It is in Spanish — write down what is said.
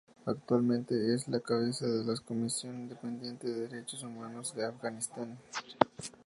Actualmente es la cabeza de la Comisión Independiente de Derechos Humanos de Afganistán.